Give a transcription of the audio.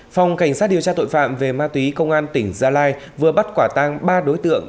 phòng cảnh sát điều tra tội phạm về ma túy công an tỉnh gia lai vừa bắt quả tang ba đối tượng